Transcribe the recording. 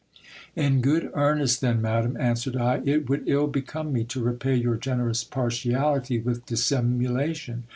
In good earnest then, madam, answered I, it would ill become me to repay your generous partiality with dis simulation.